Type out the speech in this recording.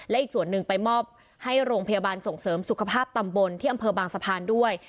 และอีกส่วนหนึ่งไปมอบให้โรงพยาบาลส่งเสริมสุขภาพตำบลที่อำเภอบางสะพานด้วย